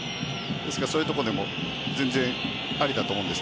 そういうところでも全然ありだと思うんです。